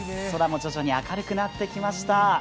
空も徐々に明るくなってきました。